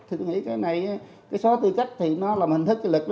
thì tôi nghĩ cái này cái xóa tư cách thì nó là một hình thức lực